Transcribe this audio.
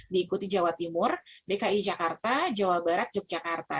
diikuti jawa timur dki jakarta jawa barat yogyakarta